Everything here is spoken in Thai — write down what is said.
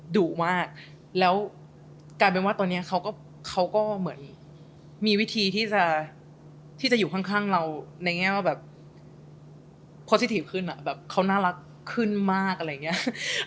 ดุมากแล้วกลายเป็นว่าตอนนี้เขาก็เหมือนมีวิธีที่จะอยู่ข้างเราในแง่ว่าแบบคนที่ถือขึ้นอ่ะแบบเขาน่ารักขึ้นมากอะไรอย่างนี้